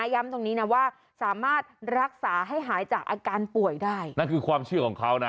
ย้ำตรงนี้นะว่าสามารถรักษาให้หายจากอาการป่วยได้นั่นคือความเชื่อของเขานะ